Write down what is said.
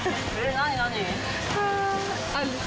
何？